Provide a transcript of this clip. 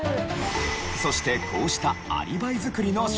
そしてこうしたアリバイ作りの商品